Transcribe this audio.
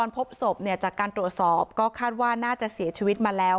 พบศพจากการตรวจสอบก็คาดว่าน่าจะเสียชีวิตมาแล้ว